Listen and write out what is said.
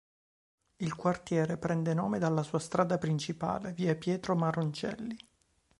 Il quartiere prende nome dalla sua strada principale, via Pietro Maroncelli.